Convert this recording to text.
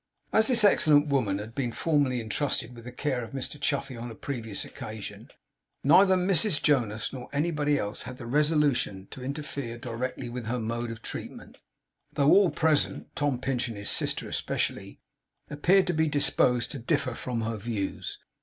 As this excellent woman had been formerly entrusted with the care of Mr Chuffey on a previous occasion, neither Mrs Jonas nor anybody else had the resolution to interfere directly with her mode of treatment; though all present (Tom Pinch and his sister especially) appeared to be disposed to differ from her views.